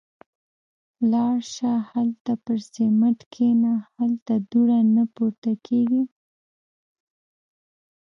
– لاړه شه. هالته پر سمڼت کېنه. هلته دوړه نه پورته کېږي.